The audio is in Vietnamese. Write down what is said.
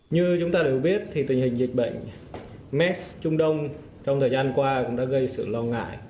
như chúng ta đều biết thì tình hình dịch bệnh mes trung đông trong thời gian qua cũng đã gây sự lo ngại